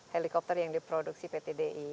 helikopter yang diproduksi pt di